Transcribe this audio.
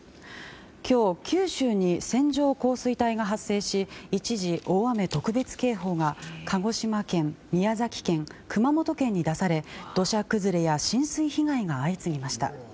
今日、九州に線状降水帯が発生し一時、大雨特別警報が鹿児島県、宮崎県熊本県に出され土砂崩れや浸水被害が相次ぎました。